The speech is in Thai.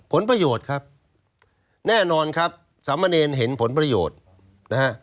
ผลประโยชน์ครับแน่นอนครับสามเณรเห็นผลประโยชน์นะฮะ